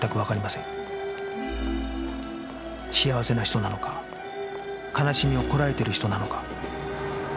幸せな人なのか悲しみをこらえてる人なのか